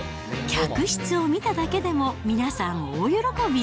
客室を見ただけでも皆さん、大喜び。